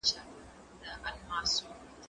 زه له سهاره د ښوونځی لپاره تياری کوم،